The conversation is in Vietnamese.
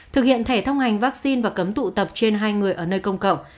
thực hiện thẻ thông hành vaccine và cấm tụ tập trên hai người ở nơi công cộng